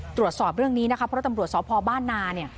ตรวจสอบเรื่องนี้นะคะเพราะตำรวจสพบ้านนาเนี่ย